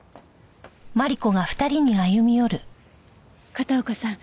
片岡さん